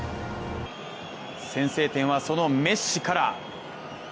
先制点は、そのメッシから。